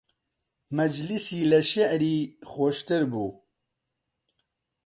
مەجلیسی لە شیعری خۆشتر بوو